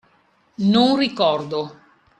Non ricordo.